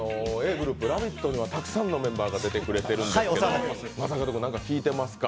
ｇｒｏｕｐ「ラヴィット！」にはたくさんのメンバーが出てくれているんですけど正門君、何か聞いてますか？